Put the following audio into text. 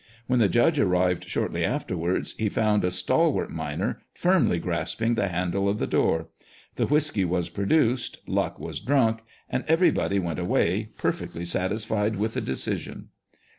When the judge arrived shortly afterwards, he found a stalwart miner firmly grasping the handle of the door. The whisky was produced, luck was drunk, and everybody went away, perfectly satisfied with the decision.